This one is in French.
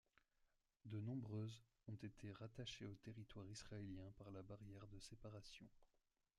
De nombreuses ont été rattachées au territoire israélien par la barrière de séparation.